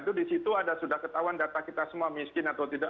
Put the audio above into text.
itu di situ ada sudah ketahuan data kita semua miskin atau tidak